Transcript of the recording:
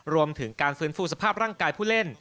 รวมถึงการฟื้นฟูสภาพร่างกายผู้เล่น